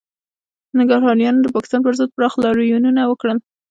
ننګرهاریانو د پاکستان پر ضد پراخ لاریونونه وکړل